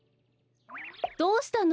どうしたの？